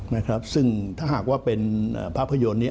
นะครับซึ่งถ้าหากว่าเป็นภาพยนตร์นี้